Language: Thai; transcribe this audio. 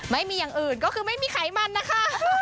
ไม่มีอย่างอื่นก็คือไม่มีไขมันนะคะ